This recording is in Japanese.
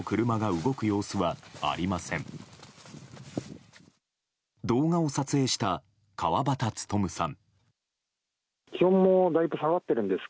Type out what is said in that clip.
動画を撮影した河端勉さん。